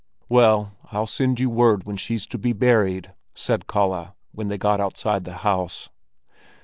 "Well, I'll send you word when she's to be buried," said Kalle, when they got outside the house.